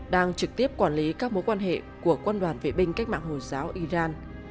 đang trực tiếp quản lý các mối quan hệ của quân đoàn vệ binh cách mạng hồi giáo iran